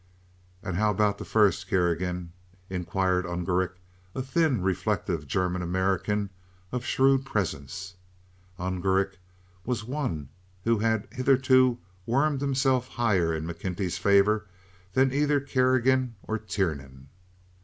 "And how about the first, Kerrigan?" inquired Ungerich, a thin, reflective German American of shrewd presence. Ungerich was one who had hitherto wormed himself higher in McKenty's favor than either Kerrigan or Tiernan.